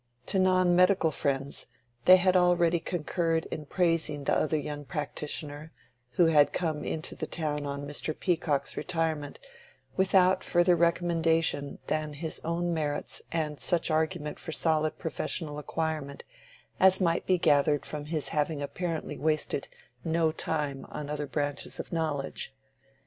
To non medical friends they had already concurred in praising the other young practitioner, who had come into the town on Mr. Peacock's retirement without further recommendation than his own merits and such argument for solid professional acquirement as might be gathered from his having apparently wasted no time on other branches of knowledge.